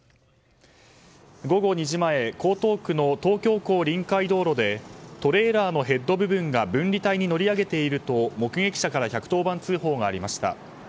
午後２時前江東区の東京港臨海道路でトレーラーのヘッド部分が分離帯に乗り上げていると目撃者から１１０番通報がありました。